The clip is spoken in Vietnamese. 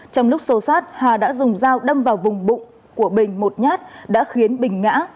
trong lúc xô xát hà đã dùng dao đâm vào vùng bụng của bình một nhát đã khiến bình ngã